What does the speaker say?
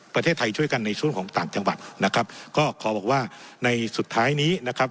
ประเทศไทยช่วยกันในช่วงของต่างจังหวัดนะครับก็ขอบอกว่าในสุดท้ายนี้นะครับ